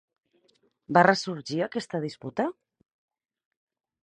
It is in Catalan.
Va ressorgir aquesta disputa?